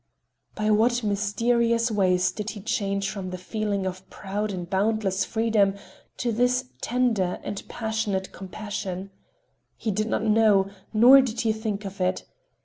By what mysterious ways did he change from the feeling of proud and boundless freedom to this tender and passionate compassion? He did not know, nor did he think of it.